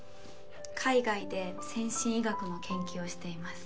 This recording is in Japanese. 海外で先進医学の研究をしています。